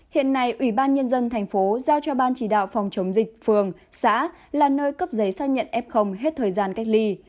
hiện nay ủy ban nhân dân thành phố giao cho ban chỉ đạo phòng chống dịch phường xã là nơi cấp giấy xác nhận f hết thời gian cách ly